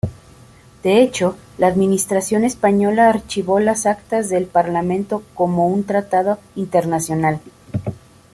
De hecho, la administración española archivó las actas del parlamento como un tratado internacional.